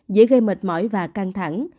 dễ gây mệt mỏi và căng thẳng